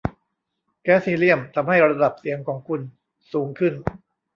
แก๊สฮีเลียมทำให้ระดับเสียงของคุณสูงขึ้น